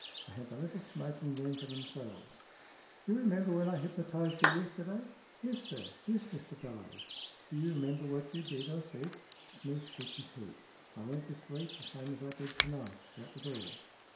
They had the little smoking room to themselves. "You remember when I hypnotized you yesterday ?"" Yes, sir. Yes, Mr Bellowes." " Do you remember what you did, or said ?" Smeath shook his head. " I went to sleep, the same as I did to night. That was all."